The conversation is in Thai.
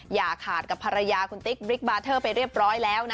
อย่าขาดกับภรรยาคุณติ๊กบริกบาเทอร์ไปเรียบร้อยแล้วนะ